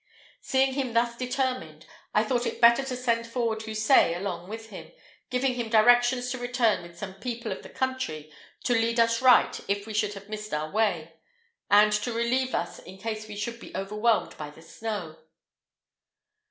Seeing him thus determined, I thought it better to send forward Houssaye along with him, giving him directions to return with some people of the country to lead us right if we should have missed our way, and to relieve us in case we should be overwhelmed by the snow.